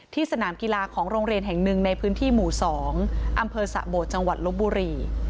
สนามกีฬาของโรงเรียนแห่งหนึ่งในพื้นที่หมู่๒อำเภอสะโบดจังหวัดลบบุรี